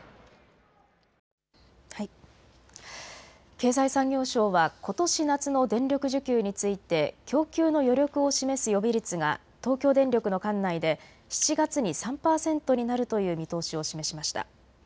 経済産業省はことし夏の電力需給について供給の余力を示す予備率が東京電力の管内で７月に３％になるという見通しを示しました。